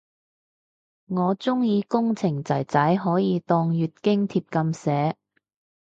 我鍾意工程仔仔可以當月經帖噉寫